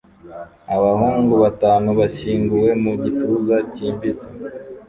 Abahungu batanu bashyinguwe mu gituza cyimbitse